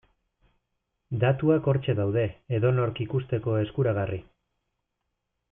Datuak hortxe daude edonork ikusteko eskuragarri.